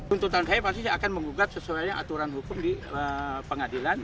untuk tanah saya pasti saya akan mengugat sesuai aturan hukum di pengadilan